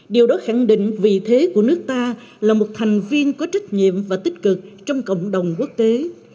điều đó khẳng định vị thế của nước ta là một thành viên có trách nhiệm và tích cực trong cộng đồng quốc tế